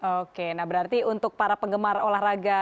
oke nah berarti untuk para penggemar olahraga